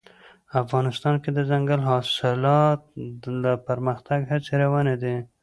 افغانستان کې د دځنګل حاصلات د پرمختګ هڅې روانې دي.